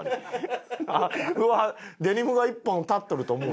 うわっデニムが一本立っとると思う。